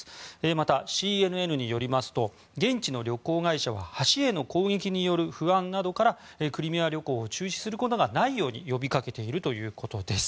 また、ＣＮＮによりますと現地の旅行会社は橋への攻撃による不安などからクリミア旅行を中止することがないように呼びかけているということです。